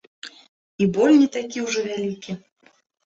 І боль не такі ўжо вялікі.